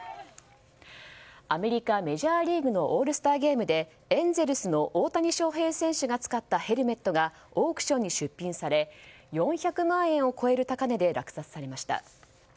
アメリカ、メジャーリーグのオールスターゲームでエンゼルスの大谷翔平選手が使ったヘルメットがオークションに出品され４００万円を超える高値で落札されました。